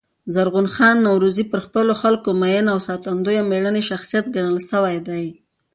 زرغون خان نورزي پر خپلو خلکو مین او ساتندوی مېړنی شخصیت ګڼل سوی دﺉ.